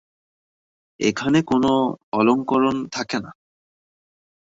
এখানে কোনো অলংকরণ থাকে না।